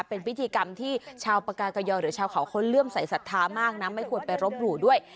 เป็นพิธีกรรมที่ชาวปากากยอหรือชาวเขาเขาเลื่อมใสสัทธามากนะไม่ควรไปรบหลู่ด้วย